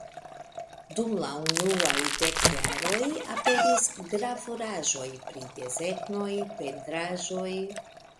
Dum la unuaj dek jaroj, aperis gravuraĵoj pri desegnoj, pentraĵoj.